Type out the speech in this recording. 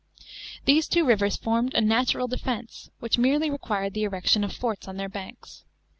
These two rivers formed a natural defence, which merely required the erection of forts on their banks.